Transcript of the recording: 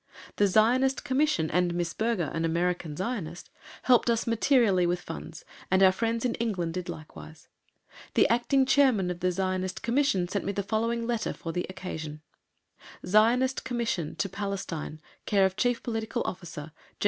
The Zionist Commission and Miss Berger, an American Zionist, helped us materially with funds, and our friends in England did likewise. The Acting Chairman of the Zionist Commission sent me the following letter for the occasion: ZIONIST COMMISSION TO PALESTINE, c/o Chief Political Officer, G.H.